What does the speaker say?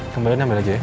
kembali nambah lagi ya